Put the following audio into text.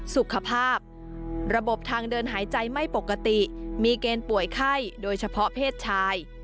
สุขภาพระบบทางเดินหายใจไม่ปกติมีเกณฑ์ป่วยไข้โดยเฉพาะเพศชาย